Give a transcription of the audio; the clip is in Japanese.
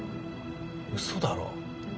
嘘だろ？